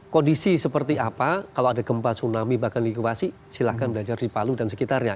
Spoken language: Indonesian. kondisi seperti apa kalau ada gempa tsunami bahkan likuasi silahkan belajar di palu dan sekitarnya